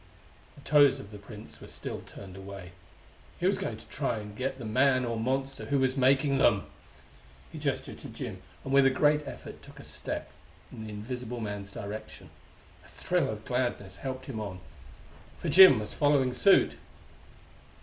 The toes of the prints were still turned away. He was going to try and get the man or monster who was making them. He gestured to Jim, and with a great effort took a step in the invisible man's direction. A thrill of gladness helped him on for Jim was following suit!